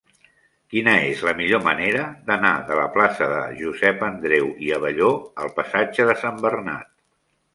Quina és la millor manera d'anar de la plaça de Josep Andreu i Abelló al passatge de Sant Bernat?